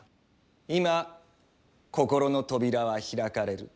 今心の扉は開かれる。